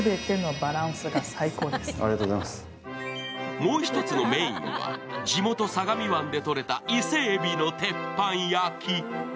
もう一つのメインは地元・相模湾でとれた伊勢えびの鉄板焼き。